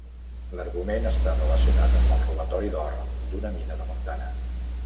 L'argument està relacionat amb el robatori d'or d'una mina de Montana.